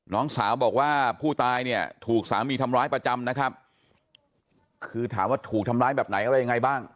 น้องสาวบอกว่าผู้ตายเนี่ยถูกสามีทำร้ายประจำนะครับคือถามว่าถูกทำร้ายแบบไหนอะไรยังไงบ้าง